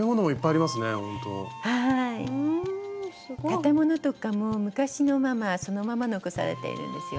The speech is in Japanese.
建物とかも昔のままそのまま残されているんですよ。